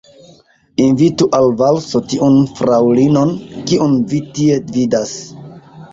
Invitu al valso tiun fraŭlinon, kiun vi tie vidas.